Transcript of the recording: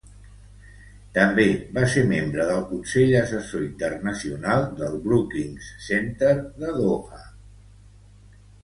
També va ser membre del consell assessor internacional del Brookings Center de Doha.